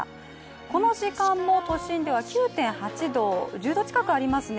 この時間も都心では９．８度、１０度近くありますね。